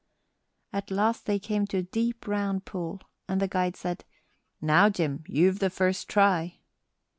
At last they came to a deep, round pool, and the guide said, "Now, Jim, you've the first try."